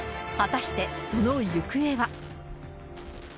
果たしてその行方は。